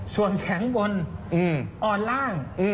ส่วนแข็งบนอ่อนล่าง